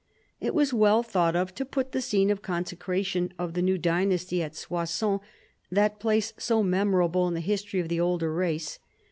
It was well thought of to put the scene of the consecration of the new dynasty at Soissons, that place so memorable in the history of the older race.